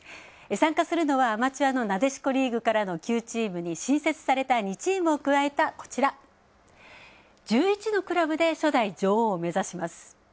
参加するのはアマチュアのなでしこリーグからの９チームに新設された２チームを加えた１１のクラブで初代女王を目指します。